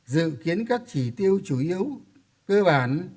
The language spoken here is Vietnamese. mục tiêu chủ yếu cơ bản